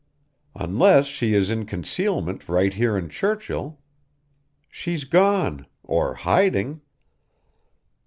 "Unless she is in concealment right here in Churchill. She's gone or hiding."